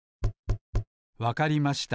わかりました。